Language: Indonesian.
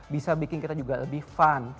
bisa bikin kita juga lebih fun